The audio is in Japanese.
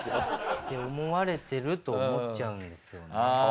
って思われてると思っちゃうんですよね。